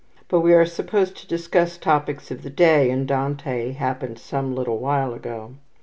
But we are supposed to discuss topics of the day, and Dante happened some little while ago.